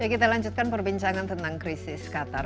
kita lanjutkan perbincangan tentang krisis qatar